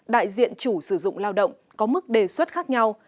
đại diện chủ sử dụng lao động có mức đề xuất khác nhau